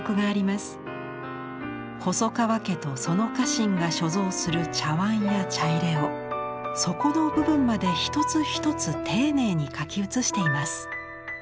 細川家とその家臣が所蔵する茶碗や茶入を底の部分まで一つ一つ丁寧に描き写しています。